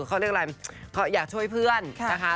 เขาเรียกอะไรเขาอยากช่วยเพื่อนนะคะ